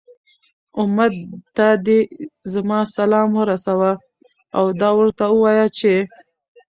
أمت ته دي زما سلام ورسوه، او دا ورته ووايه چې